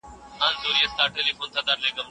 ملایکې به له مسواک وهونکي څخه راضي وي.